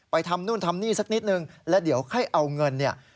ทำนู่นทำนี่สักนิดนึงแล้วเดี๋ยวให้เอาเงินเนี่ย